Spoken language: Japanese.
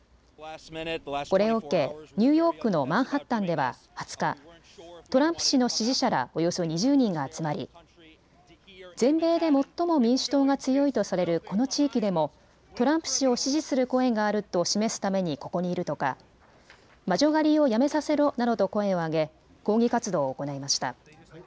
これを受けニューヨークのマンハッタンでは２０日、トランプ氏の支持者らおよそ２０人が集まり全米で最も民主党が強いとされるこの地域でもトランプ氏を支持する声があると示すためにここにいるとか魔女狩りをやめさせろなどと声を上げ抗議活動を行いました。